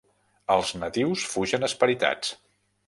Els natius fugen esperitats.